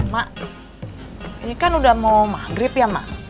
mak ini kan udah mau maghrib ya mak